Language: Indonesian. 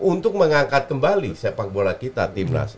untuk mengangkat kembali sepak bola kita timnas